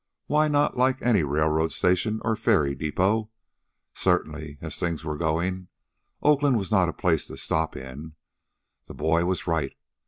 Why not like any railroad station or ferry depot! Certainly, as things were going, Oakland was not a place to stop in. The boy was right.